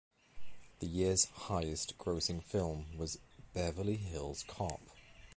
The year's highest-grossing film was "Beverly Hills Cop".